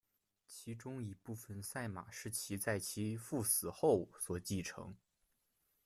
其中一部分赛马是其在其父死后所继承。